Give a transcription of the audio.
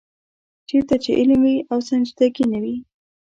چېرته چې علم وي او سنجیدګي نه وي.